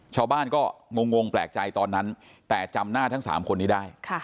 ชาวบ้านก็งงแปลกใจตอนนั้นแต่จำหน้าทั้ง๓คนนี้ได้